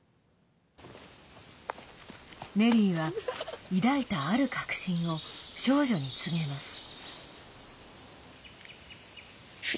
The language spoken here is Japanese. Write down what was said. ネリーは、抱いたある確信を少女に告げます。